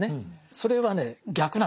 それはね逆なんです